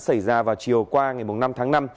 xảy ra vào chiều qua ngày năm tháng năm